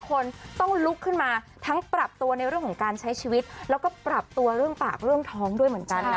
คนต้องลุกขึ้นมาทั้งปรับตัวในเรื่องของการใช้ชีวิตแล้วก็ปรับตัวเรื่องปากเรื่องท้องด้วยเหมือนกันนะ